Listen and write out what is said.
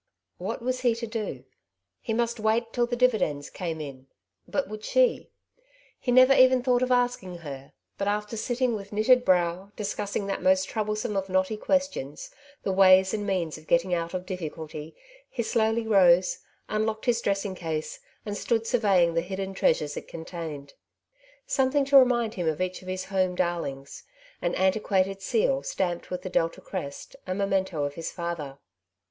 What was he to do ? He must wait till the divi dends came in, but would she ? He never even thought of asking her, but after sitting with knitted brow, discussing that most troublesome of knotty questions, the ways and means of getting out of difficulty, he slowly rose, unlocked his dressing case, and stood surveying the hidden treasures it contained. Something to remind him of each of his home dar lings. An antiquated seal, stamped with the Delta crest, a memento of his father.